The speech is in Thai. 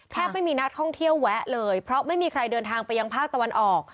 ไม่มีนักท่องเที่ยวแวะเลยเพราะไม่มีใครเดินทางไปยังภาคตะวันออก